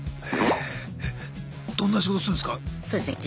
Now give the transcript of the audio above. えどんな仕事するんすか？